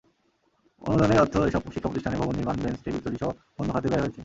অনুদানের অর্থ এসব শিক্ষাপ্রতিষ্ঠানে ভবন নির্মাণ, বেঞ্চ-টেবিল তৈরিসহ অন্য খাতে ব্যয় হয়েছে।